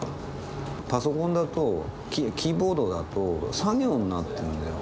パソコンだとキーボードだと作業になってるんだよ。